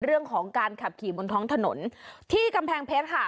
เรื่องของการขับขี่บนท้องถนนที่กำแพงเพชรค่ะ